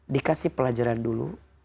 dikasih pelajaran dulu